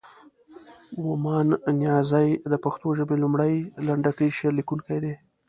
ومان نیازی د پښتو ژبې لومړی، لنډکی شعر لیکونکی دی.